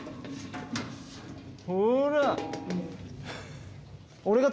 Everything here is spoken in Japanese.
ほら。